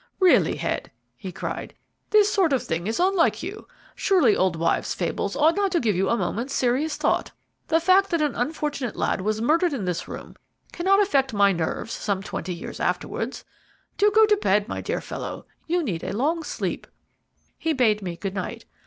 "Really, Head," he cried, "this sort of thing is unlike you. Surely old wives' fables ought not to give you a moment's serious thought. The fact that an unfortunate lad was murdered in this room cannot affect my nerves some twenty years afterwards. Do go to bed, my dear fellow; you need a long sleep." He bade me good night.